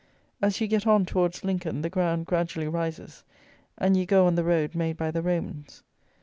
As you get on towards Lincoln, the ground gradually rises, and you go on the road made by the Romans.